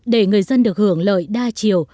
để người dân được hưởng lợi đa chiều